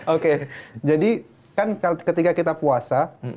oke jadi kan ketika kita puasa